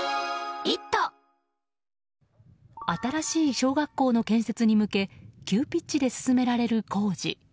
新しい小学校の建設に向け急ピッチで進められる工事。